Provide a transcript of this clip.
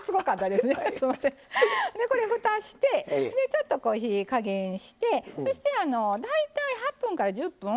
でこれふたしてでちょっとこう火ぃ加減してそして大体８分１０分